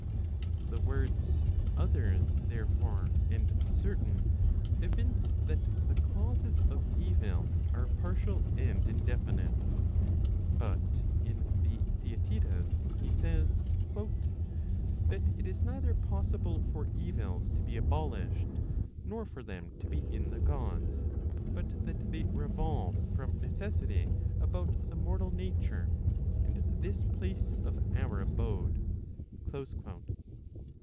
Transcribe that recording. The words others therefore and certain , evince that the causes of evil are partial and indefinite. But in the Theaetetus he says " that it is neither possible for evils to be abolished, nor for them to be in the Gods, but that they revolve from necessity about the mortal nature, and this place of our abode."